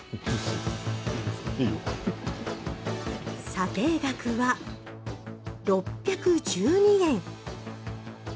査定額は６１２円。